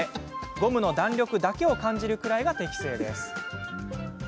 ゴムの弾力だけを感じるくらいが適正です。